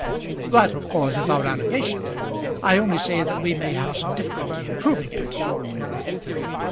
"That of course is our allegation. I only say that we may have some difficulty in proving it."